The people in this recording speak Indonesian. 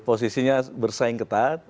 posisinya bersaing ketat